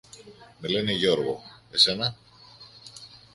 Με λένε Γιώργο. Εσένα;